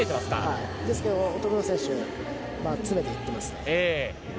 ですけど、乙黒選手詰めていってます。